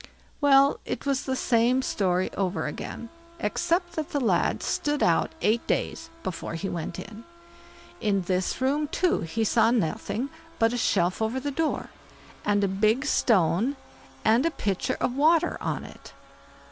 Well, it was the same story aver again, except that the lad stood out eight days before he went in. In this room, too, he saw nothing but a shelf over the door, and a big stone, and a pitcher of water on it.